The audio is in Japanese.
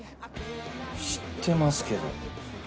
知ってますけど。